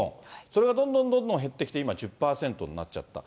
それがどんどんどんどん減ってきて、今１０％になっちゃった。